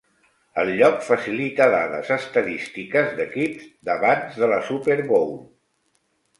El lloc facilita dades estadístiques d'equips d'abans de la Super Bowl.